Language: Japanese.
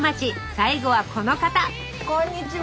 最後はこの方こんにちは。